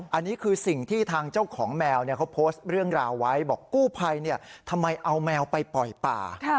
อันนี้คือสิ่งที่ทางเจ้าของแมวเขาโพสต์เรื่องราวไว้บอกกู้ภัยทำไมเอาแมวไปปล่อยป่า